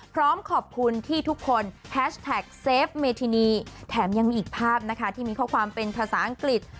พร้อมขอบคุณที่ทุกคนแฮชแท็กเซฟเมธินีแถมยังมีอีกภาพนะคะที่มีข้อความเป็นภาษาอังกฤษ